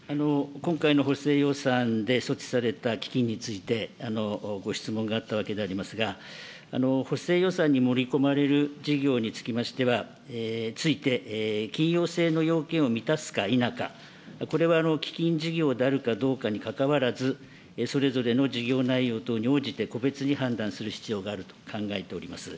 今回の補正予算で措置された基金について、ご質問があったわけでありますが、補正予算に盛り込まれる事業につきましては、ついて緊要性の要件を満たすか否か、これは基金事業であるかどうかにかかわらず、それぞれの事業内容等に応じて個別に判断する必要があると考えております。